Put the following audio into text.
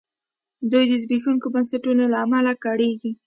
دوی د زبېښونکو بنسټونو له امله کړېږي.